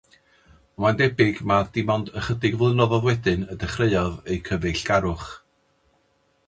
Ond mae'n debyg mai dim ond ychydig flynyddoedd wedyn y dechreuodd eu cyfeillgarwch.